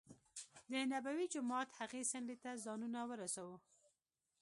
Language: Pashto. دنبوي جومات هغې څنډې ته ځانونه ورسو.